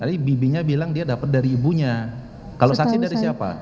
tadi bibinya bilang dia dapat dari ibunya kalau saksi dari siapa